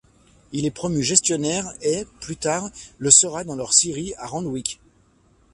Il est promu gestionnaire et, plus tard, le sera dans leur scierie à Randwick.